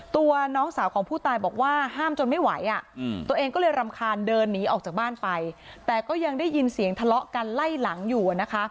ตัวน้องสาวของผู้ตายบอกว่าห้ามจนไม่ไหวอ่ะตัวเองก็เลยรำคาญเดินหนีออกจากบ้านไปแต่ก็ยังได้ยินเสียงทะเลาะกันไล่หลังอยู่นะคะ